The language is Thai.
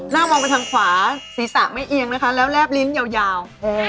มองไปทางขวาศีรษะไม่เอียงนะคะแล้วแลบลิ้นยาว